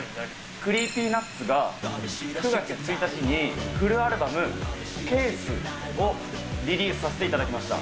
クリーピーナッツが９月１日にフルアルバム、Ｃａｓｅをリリースさせていただきました。